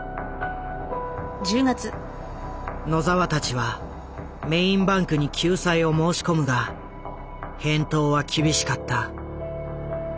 野澤たちはメインバンクに救済を申し込むが返答は厳しかった。